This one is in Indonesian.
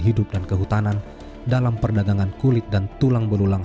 hidup dan kehutanan dalam perdagangan kulit dan tulang berulang